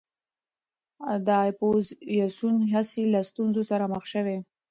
د اپوزېسیون هڅې له ستونزو سره مخ شوې.